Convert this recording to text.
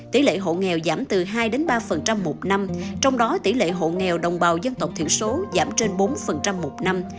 tỷ lệ hộ nghèo giảm từ hai ba một năm trong đó tỷ lệ hộ nghèo đồng bào dân tộc thiểu số giảm trên bốn một năm